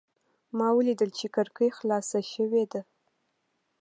ما ولیدل چې کړکۍ خلاصه شوې ده.